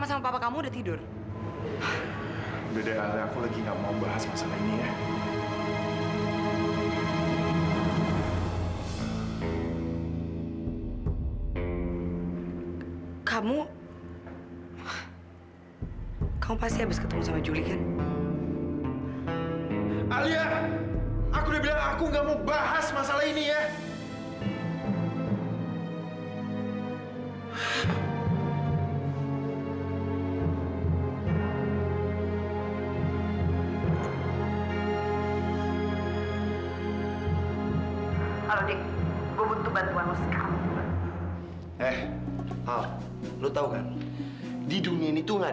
sampai jumpa di video selanjutnya